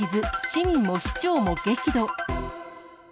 市民も市長も激怒。